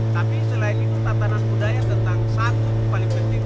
tapi selain itu tatanan budaya tentang satu paling penting